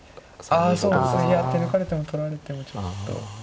あそうですね手抜かれても取られてもちょっと。